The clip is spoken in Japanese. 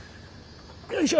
よいしょ。